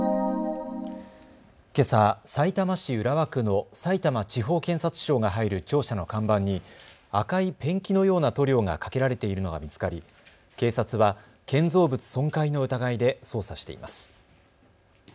けさ、さいたま市浦和区のさいたま地方検察庁が入る庁舎の看板に赤いペンキのような塗料がかけられているのが見つかり警察は建造物損壊の疑いで捜査しています。